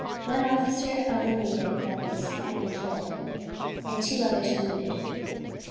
One officer of the native levies had been killed, and two others wounded.